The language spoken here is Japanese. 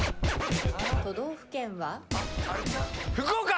都道府県は？福岡！